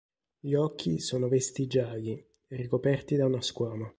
Gli occhi sono vestigiali, ricoperti da una squama.